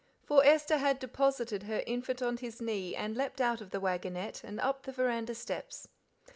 For Esther had deposited her infant on his knee, and leapt out of the waggonette and up the veranda steps.